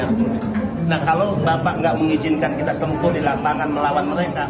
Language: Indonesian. nah kalau bapak nggak mengizinkan kita tempuh di lapangan melawan mereka